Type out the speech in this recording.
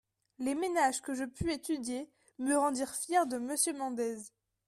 Les ménages que je pus étudier me rendirent fière de Monsieur Mendez.